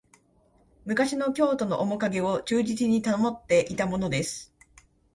昔の京都のおもかげを忠実に保っていたものです